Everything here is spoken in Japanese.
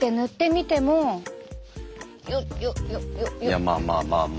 いやまあまあまあまあ。